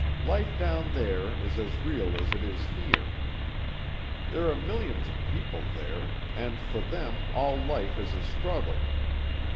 Life down there is as real as it is here. There are millions of people there and for them all life is a struggle.